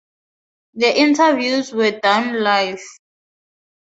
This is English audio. The interviews were done live.